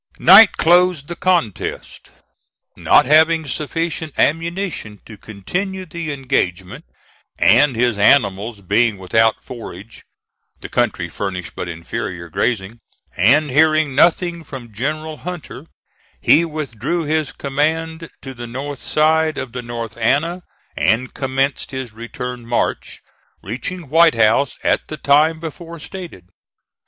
Night closed the contest. Not having sufficient ammunition to continue the engagement, and his animals being without forage (the country furnishing but inferior grazing), and hearing nothing from General Hunter, he withdrew his command to the north side of the North Anna, and commenced his return march, reaching White House at the time before stated.